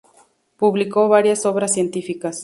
Publicó varias obras científicas.